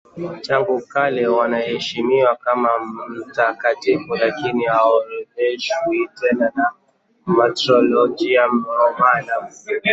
Tangu kale wanaheshimiwa kama mtakatifu lakini haorodheshwi tena na Martyrologium Romanum.